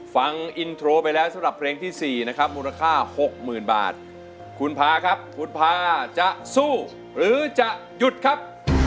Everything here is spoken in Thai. ฟังอินโทรไปแล้วสำหรับเพลงที่๔นะครับมูลค่า๖๐๐๐บาทคุณพาครับคุณพาจะสู้หรือจะหยุดครับ